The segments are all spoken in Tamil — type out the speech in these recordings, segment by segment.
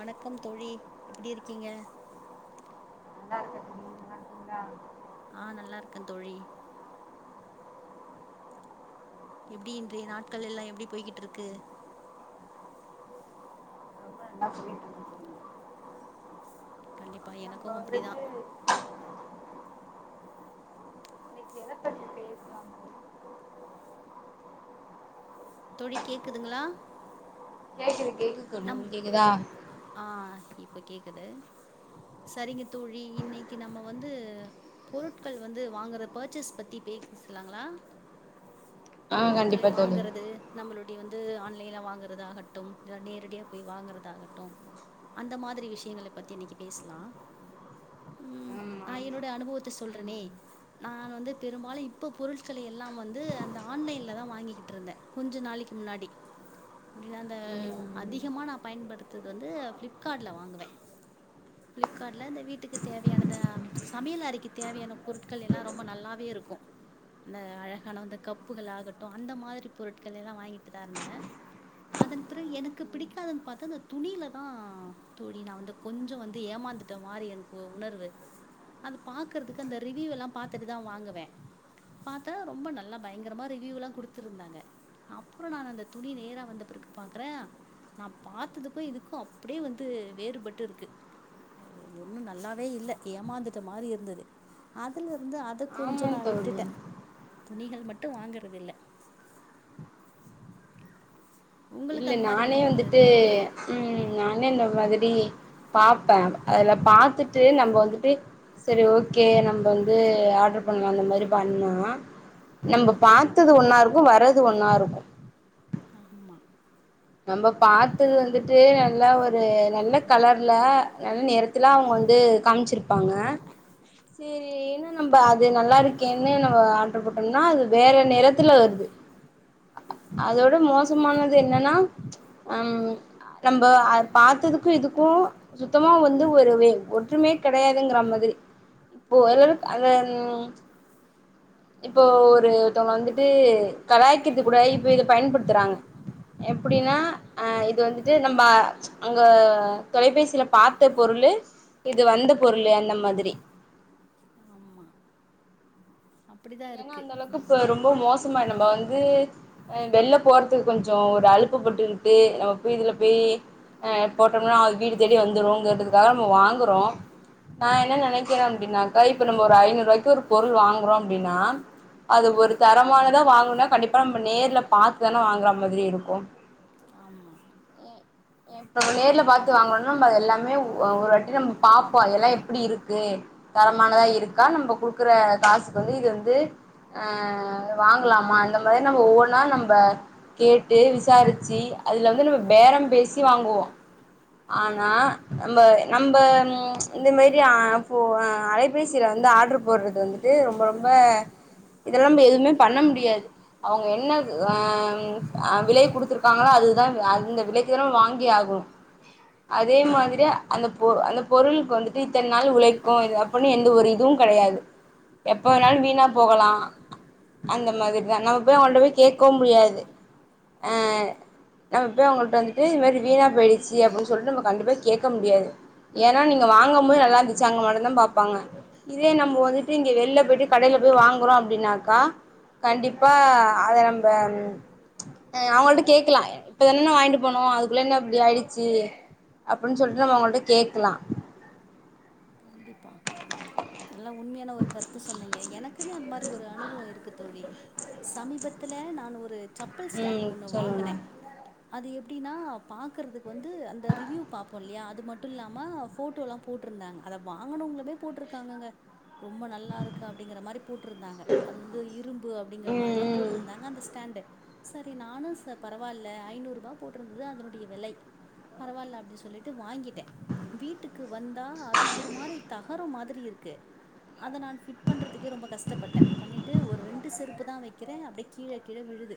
வணக்கம் தோழி எப்டி இருக்கீங்க நல்லா இருக்க நீ நல்லா இருக்கீங்களா ஆ நல்லா இருக்குன் தோழி எப்டி இன்றைய நாட்கள் எல்லாம் எப்டி போய்கிட்டு இருக்கு [inaudible] கண்டிப் அப்பா எனக்கும் அப்டிதான் எத பத்தி பேசுவாங்க தோழி கேக்குதுங்களா கேகுது கேக்கு கணு கேக்குதா இப்ப கேக்குது செரிங்க தோழி இன்னைக்கி நம்ம வந்து பொருட்கள் வந்து வாங்குற பர்ச்சேஸ் பத்தி பேக்குசலாங்களா பொருட்களை வாங்கறது நம்மளுோடை வந்து ஆன்லைன்ல வாங்கறதாகட்டும் நே ரெடியா போய் வாங்கறதாகட்டும் அந்த மாரி விஷயங்கல பத்தி இன்னைக்கி பேசலாம் ம் நா என்னோட அனுபவத்தை சொல்றனே நான வந்து பெரும்பாலொ இப்ப பொருட்களை எல்லாம் வந்து ஆன்லைல தான் வாங்கிக்கிட்டு இருந்தேன் கொஞ்ச நாளைக்கு முன்னாடி அந்த அதிகமாக நான பயன்படுத்துது வந்து ஃப்ளிப்கார்ட்டில் வாங்குவேன் ஃப்ளிப்கார்ட்டில இந்த வீட்டுக்கு தேவையானத சமையில் அறக்கு தேவையான பொருட்கள் எல்லா ரொம்ப நல்லாவே இருக்கும் அந்த அழகான அந்த கப்புகள் ஆகாட்டும் அந்த மாரி பொருட்கள் எல்லாம் வாங்கிட்டு தான் இருந்தேன் அதன் பிறகு எனக்கு எனக்கு பிடிக்காதுனு பாத்தான் அந்த துணியில தான் தோழி நான வந்து கொஞ்ச்சொ வந்து ஏமாந்துட்டேன் மாரி எனக்கு உணர்வு அத பாக்கறதுக்கு அந்த ரிவ்யூவெல்லாம் பாத்துட்டு தான் வாங்குவேன் பார்த்தா ரொம்ப நல்லா பயங்கரமாக ரிவ்யூவெலாம் கொடுத்துருந்தாங்க அப்புறம் நான் அந்த துணி நேரா வந்த பிறகு பார்க்குறேன் நான பாத்ததுக்கும் இதுக்கும் அப்டியே வந்து வேறுபட்டு இருக்கு ஒன்னும் நல்லாவே இல்ல ஏமாந்துட்ட மாரி இருந்துது அதுல இருந்து அது கொஞ்ச நா விட்டுட்ட துணிகள் மட்டு வாங்குறதுல்ல இல்ல நானே வந்துட்டு ம் நானே அந்த மாரி பாப்ப அதுல பாத்துட்டு நம்ப வந்துட்டு சரி ஓகே நம்ப வந்து ஆட்ரு பண்லா அந்த மாதிரி பண்ணா நம்ப பாத்தது ஒன்னாருக்கு வரது ஒன்னாருக்கு ஆமா நம்ப பாத்தது வந்துட்டு நல்லா ஒரு நல்ல கலர்ல நல்ல நெறத்துல அவுங்க வந்து காம்ச்சிருப்பாங்க சேரின்னு நம்ப அது நல்லா இருக்கேன்னு நம்ம ஆட்ரு போட்டம்னா அது வேற நெறத்துல வருது அதோட மோசமானது என்னன்னா ஹம் நம்ப ஆ பாத்ததுக்கு இதுக்கு சுத்தமா வந்து ஒரு வே ஒற்றுமே கெடையாதுங்கற மாதிரி இப்போ [unintelligible] இப்போ ஒருத்தவங்க வந்துட்டு [unintelligible] கூட இப்ப இது பயன்படுத்துறாங்க எம் ப்புடினா ஹ இது வந் து நம்ப அங்க தொலைபேசில பாத்த பொருளு இது வந்து பொருளு அந்த மாதிரி ஏன்னா அந்த அளவுக்கு இப்ப ரொம்ப மோஸ் தும்மா நம்ப வந்து அ வெள்ள போறதுக்கு கொஞ்ச ஒர் அலுப்பு பட்டுக்கிட்டு நம்ம போய் இதுல போய் அ போட்டம்னா அது வீடு தேடி வந்துரும்ங்கிறதுக்காக நம்ம வாங்குறோ நா என்ன நெனக்கிற அப்டின்னாக்கா இப் ப்ப நம்ப ஒரு ஐநூருவாய்கொரு பொருள் வாங்குறோ ப்படினா அது ஒரு தரமானதா வாங்குனா கண்டிப்பா நம்ப நேர்ல பாத்துதான வாங்குற மாதிரி இருக்கு ம் இப்ப நேர்ல பாத்து வாங்குறோன்னா நம்ப எல்லாமே ஒ ஒருவாட்டி நம்ம பாப்போ அதெல்லா எப்டி இருக்கு தரமானதா இருக்கா நம்ப குடுக்குற காசு வந்து இது வந்து அ வாங்கலாமா அந்த மாரி நம்ம ஒவ்வொன்னா நம்ப கேட்டு விசாரிச்சி அதுல வந்து நம்ம பேரம் பேசி வாங்குவோ ஆனா நம்ப நம்ப இந்த மாரி அ போ அலைபேசில வந்து ஆட்ரு போட்றது வந்துட்டு ஆ இதெல்லாம்போய் எதுமே பண்ண முடியாது அவங்க என்ன ஆஹ் ஆ விலை குடுத்துருக்காங்களோ அதுதா அந்த விலைக்குதா நம்ம வாங்கி ஆகணு அதே மாதிரி அந்த போ அந்த பொருள்க்கு வந்துட்டு இத்தன நாள் உழைக்கு இது அப்புன் எந்த ஒரு இதுவு கெடயாது எப்ப வேணாலு வீணா போகலா அந்த மாதிரிதா நம்ம போய் அவுங்ளுட்ட போய் கேக்கவு முடியாது ஆ நம்ம போய் அவுங்கள்ட்ட வந்துட்டு இது மாரி வீணா போய்டுச்சு அப்புன் சொல்ட்டு நம்ப கண்டிப்பா கேக்க முடியாது ஏன்னா நீங்க வாங்கும் போது நல்லா இருந்துச்சான்னு மட்டுந்தா பாப்பாங்க இதே நம்ப வந்துட்டு வெள்ள போய்ட்டு கடயில போய் வாங்குறம் அப்டின்னாக்கா கண்டிப்பா அத நம்ப ஹ அவுங்ளுட்ட கேட்கலா இப்தன்ன வாங்ட்டு போனோ அதுக்குள்ள என்ன இப்டி ஆயிச்சு அப்புன் சொல்டு நம்ப அவுங்ளுட்ட கேக்கலாம் கண்டிப்பா அதலா உண் ம்யான ஒரு கருத்து சொன்னீங்க எனக் க்குமே அந்த மாரி ஒரு அனுபவ இருக்கு தோழி சமீபத்துல நானு ஒரு சப்பல் ஸ்டாண்டு ஒன்னு வாங்குனே அது எப் ப்டின்னா பாக்கறது வந்து அந்த ரிவியூ பாப்போல்யா அது ம ல்லாம ஃபோட்டோலா போட்ருந்தாங்க அத வாங்கனுவுங்களுமே போட்ருக்காங்கங்க ரொம்ப நல்லா இருக்கு அப்டிங்கற மாரி போட்ருந்தாங்க அது வந்து இரும்பு அப்டிங்கற மாதிரில்லா போட்ருந்தாங்க அந்த ஸ்டாண்டு செரி நானும் ச பரவாயில்ல ஐநூறு ரூபாய் போட்டிருந்தது அதனுடைய விலை பரவாயில்ல அப்டினு சொல்லிட்டு வாங்கிட்டேன் வீட்டுக்கு வந்தா அது ஒரு மாரி தகரம் மாரி இருக்கு அத நான ஃபிட் பண்ணுறதுக்கே ரொம்ப கஷப்பட்டேன் பண்ணிட்டு ஒரு ரெண்டு செருப்பு தான் வைக்கிறேன் அப்டியே கீழ கீழவிழுது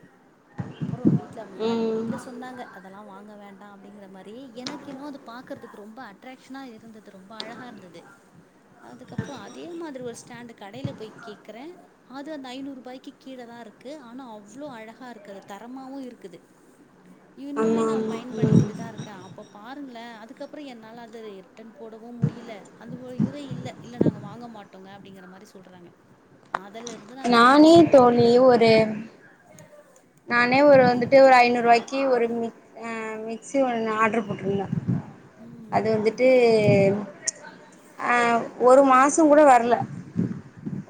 அப்பறம் வீட்டுல முன்னாடிய வீட்டு்ல சொன்னாங்க அதெல்லாம் வாங்க வேண்டாம் அப்டிங்கற மாரி எனக்கு இன்னும் அது பாக்குறதுக்கு ரொம்ப அட்ராக்ஷனா இருந்தது ரொம்ப அழகார்ந்தது அதுக்கப்பறம் அதே மாரி ஒரு ஸ்டாண்டு கடயில போய் கேக்குறேன் அது அந்த ஐநூறு ரூபாய்க்கு கீழ தான் இருக்கு ஆனா அவ்ளோ அழகா இருக்குது தரமாவும் இருக்குது இன்னுமே நான பயன்படுத்திட்டு தான் இருக்கேன் அப்ப பா இருங்கள அதுக்கப்பறம் என்னால அது ரிட்டர்ன் போடு வும் முடியல அந்த இதுவே இல்ல இல்ல நாங்க வாங்க மாட்டோங்க அப்டிங்கிற மாரி சொல்றாங்க நானே தோழி ஒரு நானே ஒரு வந்துட்டு ஒரு ஐநூறு ரூவாய்க்கு ஒரு மிக் ஆஹ் மிக்சி ஒன்னு ஆர்டரு போட்டிருந்தேன் அது வந்துட்டு அ ஒரு மாசம் கூட வரல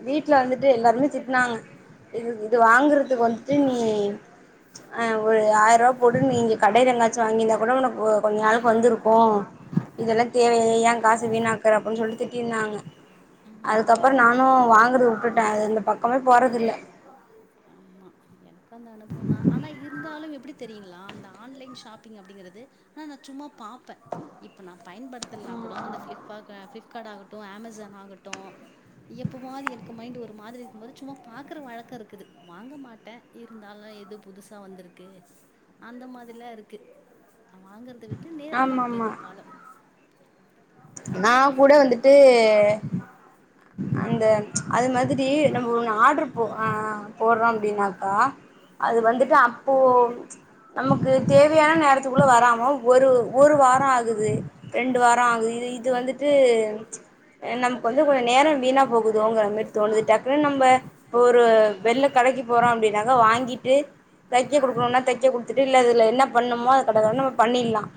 வீட்டுல வந்துட்டு எல்லாருமே திட்டினாங்க இது இது வாங்கறதுக்கு வந்துட்டு நீ ம் ஆ ஒரு ஆயிர ரூபா போட்டு நீ நீங்க கடல எங்கயாச்சு வாங்கியிருந்தால் கூட உனக்கு கொஞ்சம் நாளுக்கு வந்துருக்கும் இதெல்லாம் தேவைய ஏன் காசு வீணாக்குற அப்டின்னு சொல்லிட்டு திட்டி இருந்தாங்க அதுக்கப்பறம் நானும் வாங்கறது உட்டுட் இந்த பக்கமே போறதுல்ல ஆமா எனக்கு உக்க அனுப்பு தான் ஆனா இருந்தாலும் எப்டி தெரியுங்களா அந்த ஆன்லைன் ஷாப்பிங் அப்டிங்கறது ஆனா நான சும்மா இப்ப இப்ப நான் பயன்படுத்த ல்லாம் கூட அந்த பிப்ப பிப் ப்லிப்கார்ட் ஆகட்டும் அமேசான் ஆகட்டும் எப்போவாது எனக்கு மைண்ட் ஒரு மாரி இருக்கும் போது சும்மா பாக்கற பழக்கம் இருக்குது வாங்க மாட்டேன் இருந்தாலும் எது புதுசா வந்திருக்கு அந்த மாரிலாம் இருக்கு வாங்கறத விட்டு நேர்ல தான் பெரும்பாலும் நான கூட வந்துட்டு அந்த அது மாரி நம்ம ஒண்ணு ஆர்டரு போ அ போடுறோம் அப்டின்னாக்கா அது வந்துட்டு அப்போ நமக்கு தேவையான நேரத்துக்குள்ள வராம ஒரு ஒரு வாரம் ஆகுது ரெண்டு வாரம் ஆகுது இது வந்துட்டு நமக்கு வந்து கொஞ்சம் நேரம் வீணா போகுதுகோங்குற மாரி தோணுது டக்குன்னு நம்ம ஒரு வெள்ள கடக்கி போறோம் அப்டின்னாக்க வாங்கிட்டு தைக்க குடுக்கணும்னா தைக்க குடுத்துட்டு இல்ல இதுல என்ன பண்ணுமோ அத கடகடனு நம்ம பண்ணிடலாம்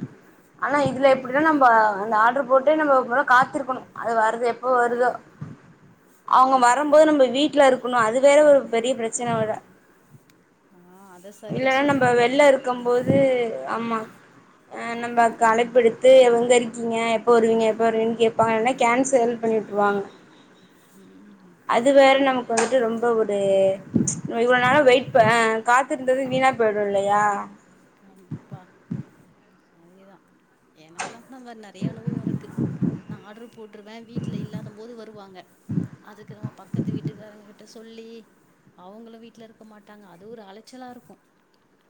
ஆனா இதுல எப்டினா நம்ம அந்த ஆர்டரு [unintelligible] காத்திருக்கணும் அது வருது எப்போ வருதோ அவங்க வரும்போது நம்ம வீட்டுல இருக்கணும் அது வேற ஒரு பெரிய பிரச்சனை விட இல்லன்னா நம்ப வெளில இருக்கும் போது ஆமா நம்ம கலைப்பெடுத்து வந்திருக்கீங்க எப்போ வருவீங்க எப்போ வருவீன்னு கேட்பாங்கன்னா கேன்சல் பண்ணிட்டுரு வாங்க அது வேற நமக்கு வந்துட்டு ரொம்ப ஒரு து இவ்வளவு நாள வெயிட்பன் ஆங் காத்திருந்தது வீணா போயிடும் இல்லையா அதேதான் எனக்குலாம் அந்த மாரி நறைய அனுபவம் இருக்கு நான் ஆர்டரு போட்டருவேன் வீட்டில் இல்லாத போது வருவாங்க அதுக்கு நம்ம பக்கத்து வீட்டுக்கார கிட்ட சொல்லி அவங்களும் வீட்டில் இருக்க மாட்டாங்க அது ஒரு அலைச்சலாக இருக்கும்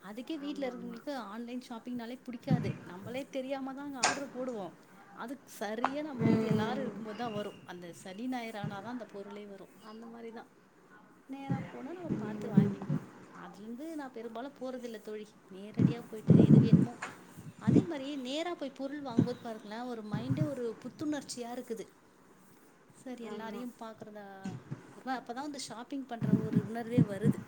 அதுக்கே வீட் ட்ல இருக்கவங்களுக்கு ஆன்லைன் ஷாப் அப்படின்னாலே பிடிக்காது நம்மளே தெரியாம தான் அங்க ஆர்டரு போடுவோம் அது சரியா நம்ப வந்து எல்லாரும் இருக்கும் போது தான் வரும் அந்த சனி ஞாயர் ஆனா தான் அந்த பொருளே வரும் அந்த மாதிரி தான் நேராக போனால் நம்ம பார்த்து வாங்கிக்கலாம் அதுலேருந்து நான் பெரும்பாலும் போறதில்லை தோழி நேரடியாக போய்ட்டட்டு எது வேணுமோ அதே மாதிரியே நேராக போய் பொருள் வாங்கும்போது பார்க்கலாம் ஒரு மைண்டே ஒரு புத்துணர்ச்சியாக இருக்குது சரி எல்லாரையும் பார்க்குறத ஒரு அப்போதான் வந்து ஷாப்பிங் பண்ணுற ஒரு உணர்வே வருது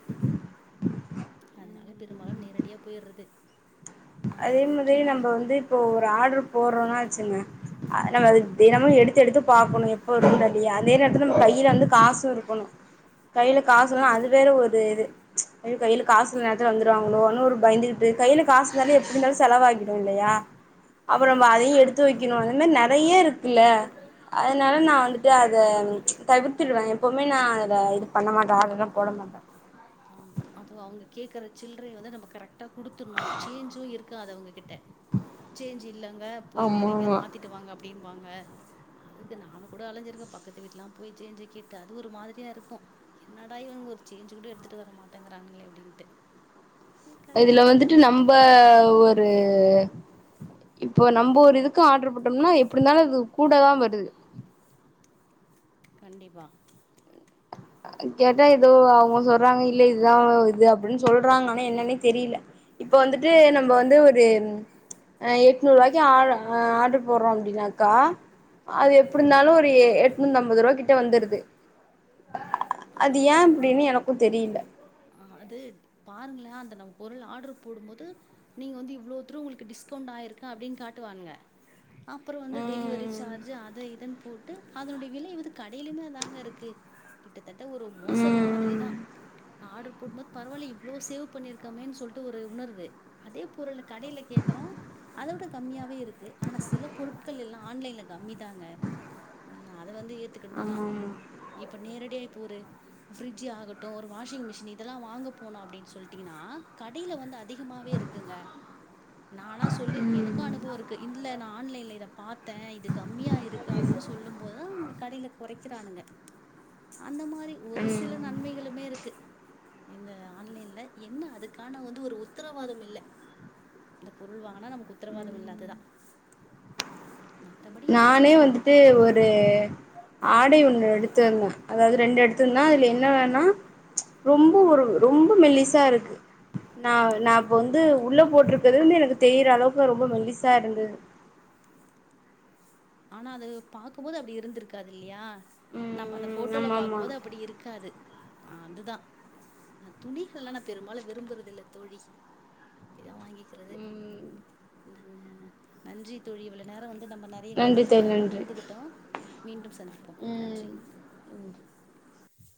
அதனால பெரும்பாலும் நேரடியாக [unintelligible] அதே மாதிரி நம்ம வந்து இப்போ ஒரு ஆர்டரு போடுறோம்னா ஆச்சுங்க ஆ நம்ம தினமும் எடுத்து எடுத்து பாகக்கணும் எப்ப இரு இல்லையா அதே நேரத்துல நம்ம கையில வந்து காசும் இருக்கணும் கையில காசுல்லா அது வேற ஒரு இது கையில காசுல நேரத்துல வந்துருவாங்களோ ஒன்னும் ஒரு பயந்துகிட்டு கையில காசு இருந்தாலே எப்டி இருந்தாலும் செலவாகிடும் இல்லையா அப்புற நம்ம அதையும் எடுத்து வைக்கணும் [unintelligible] நிறைய இருக்குல்ல அதனால நான் வந்துட்டு அத தவிர்த்துடுவேன் எப்பவுமே நான் அத இது பண்ண மாட்டேன் அதெல்லாம் போட மாட்டேன் ஆமா அதுவும் அவங்க கேக்குற சில்லரை வந்து நம்ம கரெக்ட் கொடுத்துணும் சேஞ்சும் இருக்கு து அவங்க கிட் சேஞ்ச் இல்லங்க போய் வேற எங்கயாது மாத்திட்டு வாங்க அப்டின்னு வாங்க அதுக்கு நானும் கூட அலஞ்ருக்கேன் பக்கத்து வீட்டுலாம் போய் சேஞ்ச கேட்டு அது ஒரு மாரிய இருக்கும் என்னடாவங்க சேஞ்ச கூட எடுத் எத்துட்டு வர மாட்டேங்கிறாங்களே அப்டின்ட்டு இதுல வந்துட்டு நம்ப ஒரு இப்போ நம்ம ஒரு இதுக்கு ஆர்டர் போட்டோம்னா எப்டி இருந்தாலும் அது கூடாதான் வருது கண்டிப்பா கேட்டா ஏதோ அவங்க சொல்றாங்க இல்ல இதுதான் இது அப்படின்னு சொல்றாங்கன்னா என்னன்னே தெரியல இப்ப வந்துட்டு நம்ம வந்து ஒரு எட்நூறு ரூபாய்க்கு ஆ ஆர்டரு போடுறோம் அது அப்படின்னாக்கா அது எப்படி இருந்தாலும் ஒரு எட்நூத்தி ஐம்பது ரூபாய்கிட்ட வந்துருது ஆமாடெ ஆஹ அது பாருங்களேன் அந்த பொருள் ஆர்டர் போடும்போது நீங்க வந்து இவ்வளவு து தான் உங்களுக்கு டிஸ்கவுண்ட் ஆயிருக்கு அப்டின்னு காட்டுவானுங்க அப்புறம் வந்து டெலிவரி சார்ஜி அது இது பில் போட்டு அதனுடைய விலை வந்து கடையிலுமே அ தாங்க இருக்கு கிட்டத் கிட்டதட்ட ஒரு மோசடி மாதிரி தா நான் ஆர்டர் போடும்போது பரவாயில்ல இவ்ளோ சேவ் பண்ணியிருக்கோமேன்னு சொல்லிட்டு ஒரு உணர்வு அதே பொருள் கடையில கேக்குறோம் அதை விட கம்மியாவே இருக்கு ஆனா சில பொருட்கள் எல்லாம் ஆன்லைன்ல கம்மி தாங்க வந்து ஏத்துக்கதான் இப்ப நேரடியாக ஒரு பிர்ஜ் ஆகட்டும் ஒரு வாஷிங் மிஷின் இதெல்லாம் வாங்க போனும் அப்படின்னு சொல்டிங்ன்னா கடையில வந்து அ அதிகமாவே இருக்குங்க நானா சொல்லிருக்கேன் எனக்கும் அனுபவம் இருக்கு இல்ல நான் ஆன்லைன்ல இத பாத்தேன் இது கம்மியா இருக்கு அப்டின்னு சொல்லும் போதுதான் அவங்க கடையில குறைக் க்கானுங்க அந்த மாதிரி ஒரு சில நன்மைகளுமே இருக்கு இந்த ஆன்லைன்ல என்ன அதுக்கான வந்து ஒரு உத்தரவாதம் இல்ல இந்த பொருள் வாங்கனா நமக்கு உத்தரவாதம் இல்ல அதுதான் நானே வந்துட்டு ஒரு ஆடை வந் ரெ ண்டு எடுத்து இருந்தேன் அதாவது ரெண்டு எடுத்து இருந்தான் அதுல என்ன ன்னா ரொம்ப ஒரு ரொம்ப மெல்லிசா இருக்கு நான் நான் இப்ப வந்து உள்ள போட்டிருக்கிறது வந்து எனக்கு தெறியற அளவுக்கு ரொம்ப மெல்லிசா இருந்தது ஆனா அது பாக்கும்போது அப்டி இருந்திருக்காது இல்லையா நம்ம அந்த போட்டோல பாக்கும் போது அப்டி இருக்காது ஹ் அதுதான் நா துணிகள்லாம் நான் பெரும்பாலும் விரும்புறது இல்ல தோழி அப்டிதான் வாங்க க்கிறது நன்றி தோழி இவ்வளவு நேரம் வந்து நம்ம நெறைய கருத்துக்களை பகிர்ந்துகிட்டோம் மீண்டும் சந்திப்போம் நன்றி